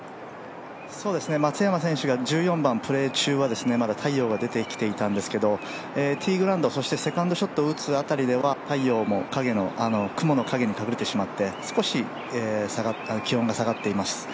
松山選手が１４番プレー中はまだ太陽が出てきていたんですけどティーグラウンドそしてセカンドショットを打つあたりでは太陽も雲の陰に隠れてしまって、少し、気温が下がっています。